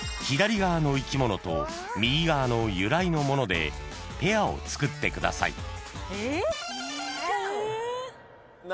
左側の生き物と右側の由来のモノでペアを作ってください。